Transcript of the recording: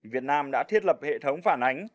việt nam đã thiết lập hệ thống phản ánh